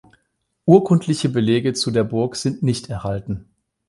Urkundliche Belege zu der Burg sind nicht erhalten.